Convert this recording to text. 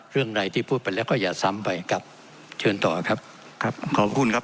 เรื่องใดที่พูดไปแล้วก็อย่าซ้ำไปครับเชิญต่อครับครับขอบคุณครับ